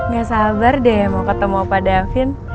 gak sabar deh mau ketemu pak davin